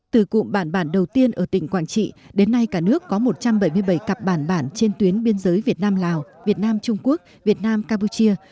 từ cụm bản bản đầu tiên ở tỉnh quảng trị đến nay cả nước có một trăm bảy mươi bảy cặp bản bản trên tuyến biên giới việt nam lào việt nam trung quốc việt nam campuchia